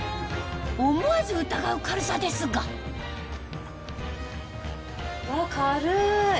思わず疑う軽さですがうわっ軽い！